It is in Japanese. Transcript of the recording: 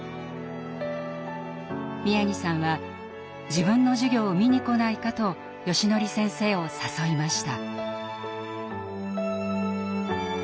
宮城さんは自分の授業を見に来ないかとよしのり先生を誘いました。